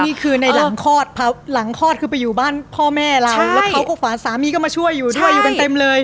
นี่คือในหลังคลอดเผาหลังคลอดคือไปอยู่บ้านพ่อแม่เราแล้วเขาก็ฝานสามีก็มาช่วยอยู่ด้วยอยู่กันเต็มเลย